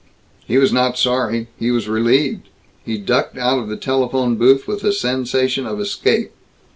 He was not sorry. He was relieved. He ducked out of the telephone booth with a sensation of escape.